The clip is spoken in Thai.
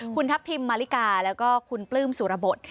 คุณทัพทิมมาริกาแล้วก็คุณปลื้มสุรบท